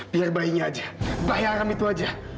biar bayinya aja bayi aram itu aja